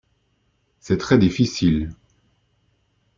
C’est très difficile.